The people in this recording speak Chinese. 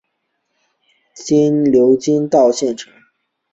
流经稻城县城。